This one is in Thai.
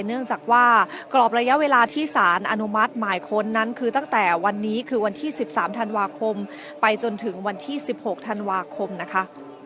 เนื่องจากว่ากรอบระยะเวลาที่สารอนุมัติหมายค้นนั้นคือตั้งแต่วันนี้คือวันที่๑๓ธันวาคมไปจนถึงวันที่๑๖ธันวาคมนะคะ